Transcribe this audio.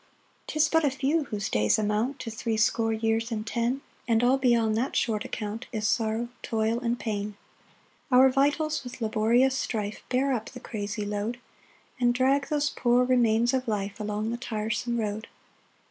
4 'Tis but a few whose days amount To threescore years and ten, And all beyond that short account is sorrow, toil, and pain. 5 [Our vitals with laborious strife Bear up the crazy load, And drag those poor remains of life Along the tiresome road.